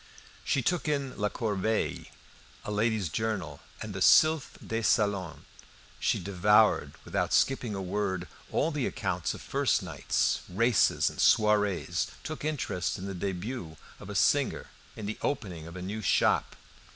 She took in "La Corbeille," a lady's journal, and the "Sylphe des Salons." She devoured, without skipping a word, all the accounts of first nights, races, and soirees, took interest in the debut of a singer, in the opening of a new shop.